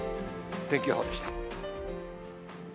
天気予報でした。